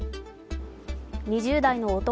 ２０代の男